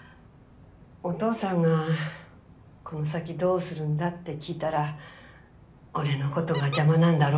おとうさんがこの先どうするんだ？って聞いたら俺のことが邪魔なんだろ？